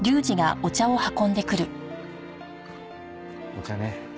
お茶ね。